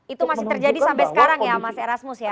itu masih terjadi sampai sekarang ya mas erasmus ya